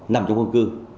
nằm trong khu dân cư